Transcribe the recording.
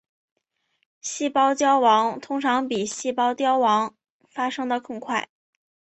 细胞焦亡通常比细胞凋亡发生的更快。